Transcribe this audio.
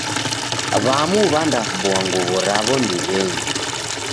W'amu w'andafua nguw'o raw'o ndiw'enyi.